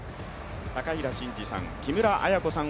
高平慎士さん、木村文子さん